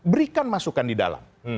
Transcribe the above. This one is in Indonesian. berikan masukan di dalam